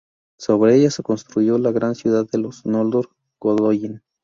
Sobre ella se construyó la gran ciudad de los noldor, Gondolin.